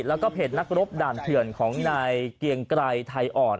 แล้วก็เพจนักรบด่านเถื่อนของนายเกียงไกรไทยอ่อน